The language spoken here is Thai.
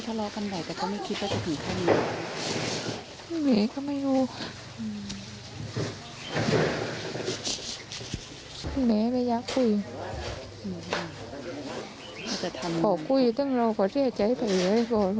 ก็คุยตั้งเรากว่าที่อาจจะให้ไปเลย